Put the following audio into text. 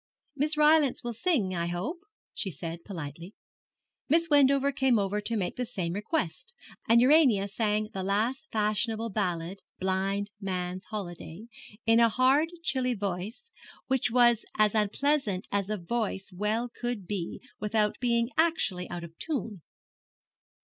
'Miss Rylance will sing, I hope,' she said, politely. Miss Wendover came over to make the same request, and Urania sang the last fashionable ballad, 'Blind Man's Holiday,' in a hard chilly voice which was as unpleasant as a voice well could be without being actually out of tune.